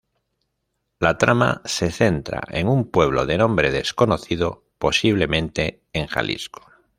La trama se centra en un pueblo de nombre desconocido posiblemente en Jalisco.